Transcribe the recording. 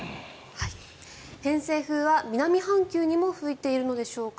偏西風は南半球にも吹いているのでしょうか？